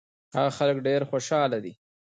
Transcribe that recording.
هغه خلک ډېر خوشاله دي.